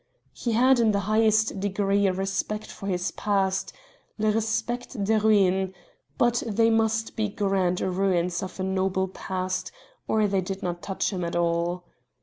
He had in the highest degree a respect for his past "le respect des ruines" but they must be grand ruins, of a noble past, or they did not touch him at all.